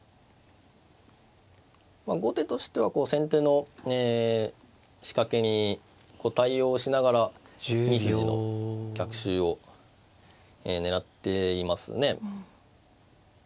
後手としては先手の仕掛けに対応しながら２筋の逆襲を狙っていますね。